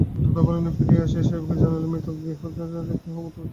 দূতগণ অপরাহ্নে ফিরিয়া আসিয়া সাহেবকে জানাইল, ঘৃত সংগ্রহের জন্য কেহ কোথাও যায় নাই।